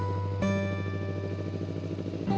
terima kasih wak